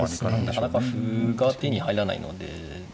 なかなか歩が手に入らないので。